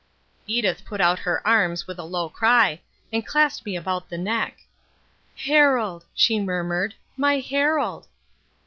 Edith put out her arms with a low cry and clasped me about the neck. "Harold," she murmured, "my Harold."